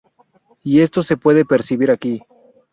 Y esto se puede percibir aquí.